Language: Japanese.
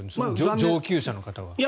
上級者の方は。